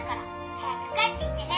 早く帰ってきてね。